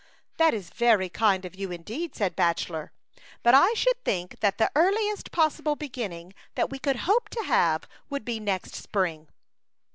" That is very kind of you indeed," said Bachelor. " But I should think that the earliest possible beginning that we could hope to have would be next spring."